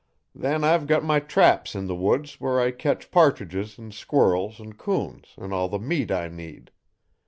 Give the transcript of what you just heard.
Then I've got my traps in the woods where I ketch partridges, an' squirrels an' coons an' all the meat I need.